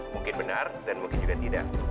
mungkin benar dan mungkin juga tidak